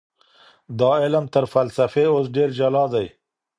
دا علم تر فلسفې اوس ډېر جلا دی.